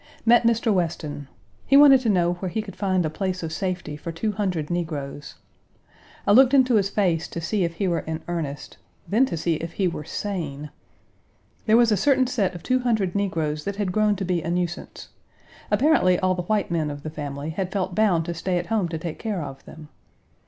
Met Mr. Weston. He wanted to know where he could find a place of safety for two hundred negroes. I looked into his face to see if he were in earnest; then to see if he were sane. There was a certain set of two hundred negroes that had grown to be a nuisance. Apparently all the white men of the family had felt bound to stay at home to take care of them.